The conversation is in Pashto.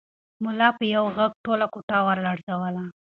ملا په یوه غږ ټوله کوټه ولړزوله.